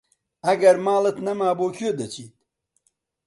ئەگەر ماڵت نەما بۆ کوێ دەچیت؟